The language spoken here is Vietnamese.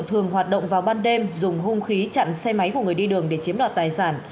thường hoạt động vào ban đêm dùng hung khí chặn xe máy của người đi đường để chiếm đoạt tài sản